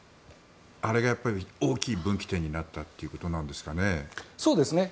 あれが、やっぱり大きい分岐点になったということなんですかね。